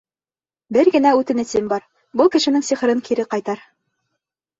— Бер генә үтенесем бар, был кешенең сихырын кире ҡайтар.